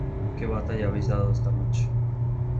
¿ qué batalla habéis dado esta noche?